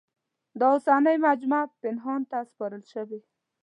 دا اوسنۍ مجموعه پنهان ته سپارل شوې.